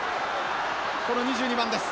この２２番です。